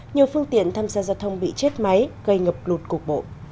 nhiều phương tiện tham gia giao thông bị chết máy gây ngập lụt cục bộ